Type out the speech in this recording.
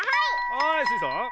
はいスイさん。